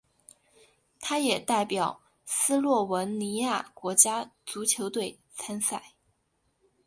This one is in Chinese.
他也代表斯洛文尼亚国家足球队参赛。